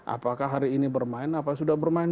apakah hari ini bermain apa sudah bermain